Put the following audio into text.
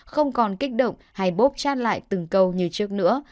không còn kích động hay bốp chat lại từng câu như trước nữa